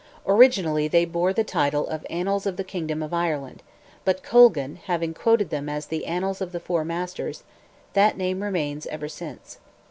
Originally they bore the title of "Annals of the Kingdom of Ireland," but Colgan having quoted them as "The Annals of the Four Masters," that name remains ever since.